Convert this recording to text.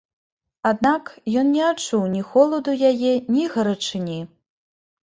Аднак, ён не адчуў ні холаду яе, ні гарачыні.